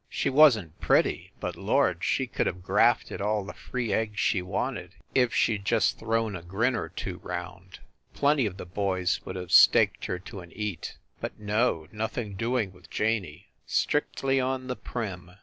She wasn t pretty, but Lord, she could have grafted all the free eggs she wanted if she d just thrown a grin or two round plenty of the boys would have staked her to an eat. But no, nothing doing with Janey. Strictly on the prim.